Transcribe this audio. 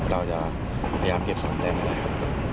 เราจะพยายามเก็บ๓แต่งกันได้ครับ